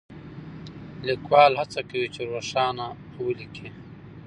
ليکوال هڅه کوي چې روښانه وليکي.